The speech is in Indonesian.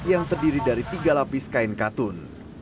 yang terdiri dari tiga lapis kain katun